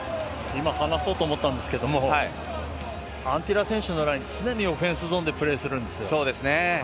今、話そうと思ったんですがアンティラ選手のラインは常にオフェンスゾーンでプレーするんですよ。